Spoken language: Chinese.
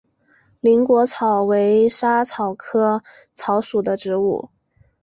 菱果薹草为莎草科薹草属的植物。